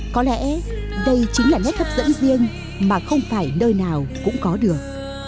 có lẽ đây chính là nét hấp dẫn riêng mà không phải nơi nào cũng có được